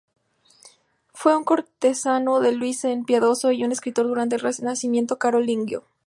Fue un cortesano de Luis el Piadoso y un escritor durante el renacimiento carolingio.